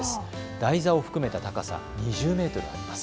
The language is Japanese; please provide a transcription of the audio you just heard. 台座を含めた高さ２０メートルあります。